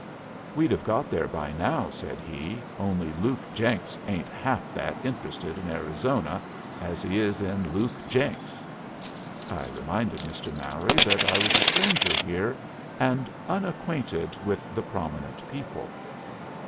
"We'd have got there by now," said he, "only Luke Jenks ain't half that interested in Arizona as he is in Luke Jenks." I reminded Mr. Mowry that I was a stranger here and unacquainted with the prominent people.